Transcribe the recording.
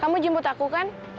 kamu jemput aku kan